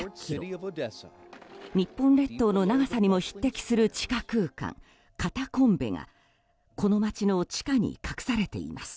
日本列島の長さにも匹敵する地下空間カタコンベがこの町の地下に隠されています。